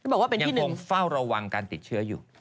บอกว่าเป็นยังคงเฝ้าระวังการติดเชื้ออยู่